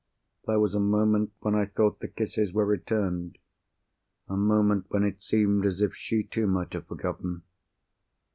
There was a moment when I thought the kisses were returned; a moment when it seemed as if she, too might have forgotten.